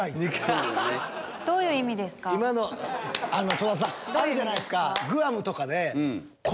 戸田さんあるじゃないですか。